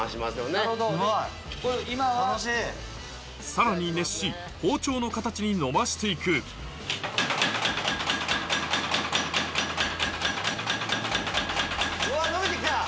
さらに熱し包丁の形にのばして行くうわのびて来た！